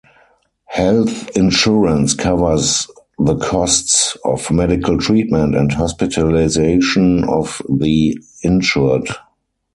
Health insurance covers the costs of medical treatment and hospitalisation of the insured.